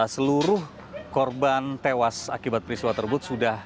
seluruh korban tewas akibat peristiwa tersebut